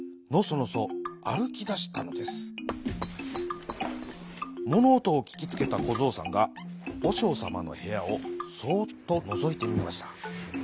ものおとをききつけたこぞうさんがおしょうさまのへやをそうっとのぞいてみました。